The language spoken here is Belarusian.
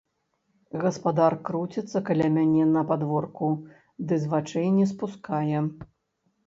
Гаспадар круціцца каля мяне на падворку ды з вачэй не спускае.